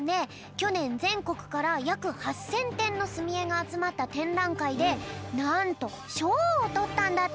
きょねんぜんこくからやく８，０００てんのすみえがあつまったてんらんかいでなんとしょうをとったんだって。